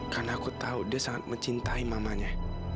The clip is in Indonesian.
karena aku tahu dia sangat mencintai mamanya